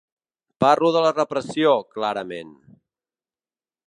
Parlo de la repressió, clarament.